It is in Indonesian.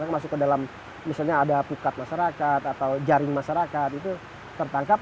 masuk ke dalam misalnya ada pukat masyarakat atau jaring masyarakat itu tertangkap